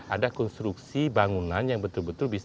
ada konstruksi bangunan yang betul betul bisa